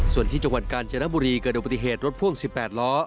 ส่วนที่จังหวัดกาญจนบุรีเกิดอุบัติเหตุรถพ่วง๑๘ล้อ